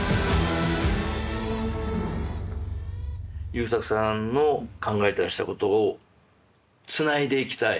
優作さんの考えてらしたことをつないでいきたい。